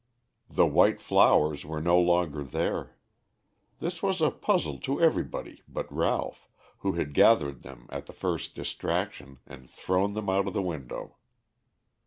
The white flowers were no longer there. This was a puzzle to everybody but Ralph, who had gathered them at the first distraction, and thrown them out of the window.